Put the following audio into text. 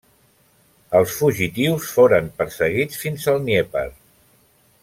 Els fugitius foren perseguits fins al Dnièper.